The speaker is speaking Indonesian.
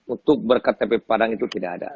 untuk berktp padang itu tidak ada